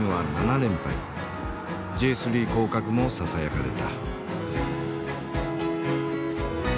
Ｊ３降格もささやかれた。